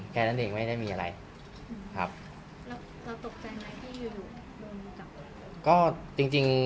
แค่นั้นหนึ่งไม่ได้มีอะไร